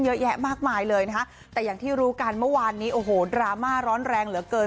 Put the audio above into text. เยอะแยะมากมายเลยนะคะแต่อย่างที่รู้กันเมื่อวานนี้โอ้โหดราม่าร้อนแรงเหลือเกิน